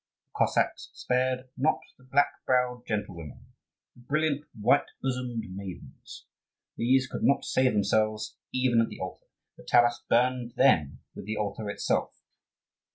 The Cossacks spared not the black browed gentlewomen, the brilliant, white bosomed maidens: these could not save themselves even at the altar, for Taras burned them with the altar itself.